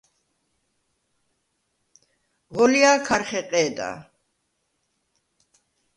ღოლჲა̄ქარ ხეყე̄და.